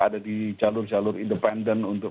ada di jalur jalur independen untuk